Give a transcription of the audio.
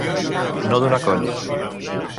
No donar coll.